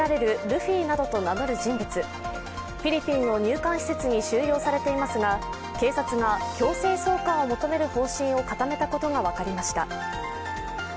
フィリピンの入管施設に収容されていますが、警察が強制送還を求める方針を固めたことが分かりました。